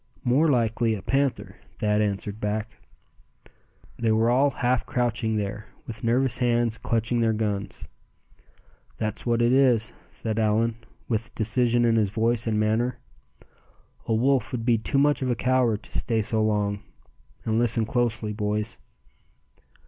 "More likely a panther," Thad answered back. They were all half crouching there, with nervous hands clutching their guns. "That's what it is," said Allan, with decision in his voice and manner. "A wolf would be too much of a coward to stay so long. And listen closely, boys."